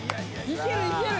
いけるいける。